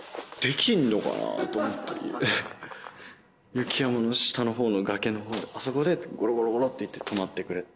雪山の下のほうの崖のほうあそこでゴロゴロって行って止まってくれって。